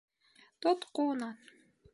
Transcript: Тот ҡулынан!